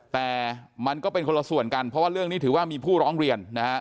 แต่มันก็เป็นคนละส่วนกันเพราะว่าเรื่องนี้ถือว่ามีผู้ร้องเรียนนะฮะ